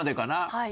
はい。